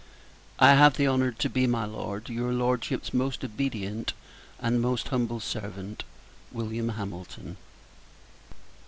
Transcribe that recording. I have the honour to be, my Lord, your Lordship's most obedient and most humble servant, Wm. HAMILTON.